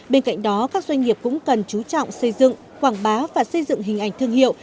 bên cạnh đó các doanh nghiệp cũng cần chú trọng xây dựng quảng bá và xây dựng hình ảnh thương hiệu